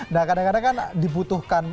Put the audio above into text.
nah kadang kadang kan dibutuhkan